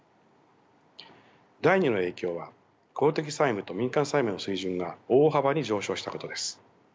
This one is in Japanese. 第２の影響は公的債務と民間債務の水準が大幅に上昇したことです。